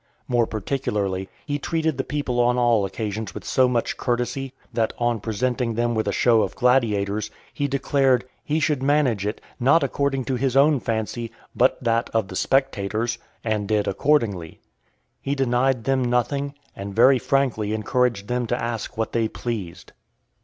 More particularly, he treated the people on all occasions with so much courtesy, that, on his presenting them with a show of gladiators, he declared, "He should manage it, not according to his own fancy, but that of the spectators," and did accordingly. He denied them nothing, and very frankly encouraged them to ask what they pleased.